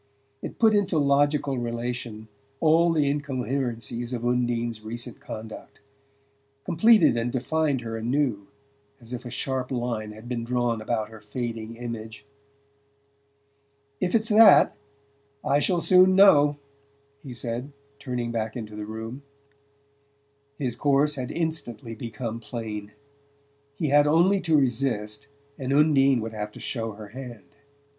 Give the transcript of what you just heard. It put into logical relation all the incoherencies of Undine's recent conduct, completed and defined her anew as if a sharp line had been drawn about her fading image. "If it's that, I shall soon know," he said, turning back into the room. His course had instantly become plain. He had only to resist and Undine would have to show her hand.